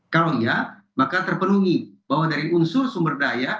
kalau iya maka terpenuhi bahwa dari unsur sumber daya